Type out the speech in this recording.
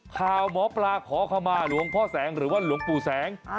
ข่าวหมอปลาขอขมาหลวงพ่อแสงหรือว่าหลวงปู่แสง